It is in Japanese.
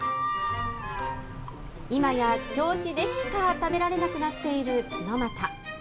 今や銚子でしか食べられなくなっているツノマタ。